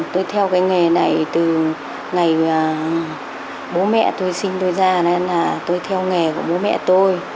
tôi theo cái nghề này từ ngày bố mẹ tôi sinh tôi ra là tôi theo nghề của bố mẹ tôi